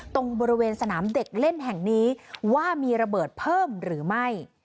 ตรงบริเวณสนามเด็กเล่นแห่งนี้ว่ามีระเบิดเพิ่มหรือไม่